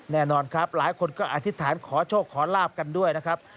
แน่นอนครับหลายคนก็อธิษฐานขอโชคขอลาบกันด้วยนะครับ